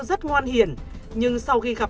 rất ngoan hiền nhưng sau khi gặp